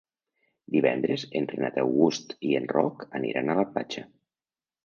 Divendres en Renat August i en Roc aniran a la platja.